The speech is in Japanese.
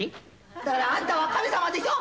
だからあんたは神様でしょ？